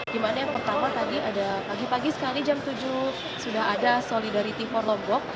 di mana yang pertama tadi ada pagi pagi sekali jam tujuh sudah ada solidarity for lombok